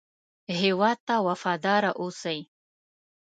هېواد ته وفاداره اوسئ